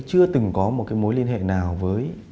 chưa từng có một cái mối liên hệ nào với